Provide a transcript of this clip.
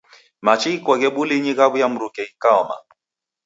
Machi ghikoghe bulinyi ghaw'uya mruke ghikaoma.